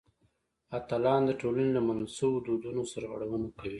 اتلان د ټولنې له منل شویو دودونو سرغړونه کوي.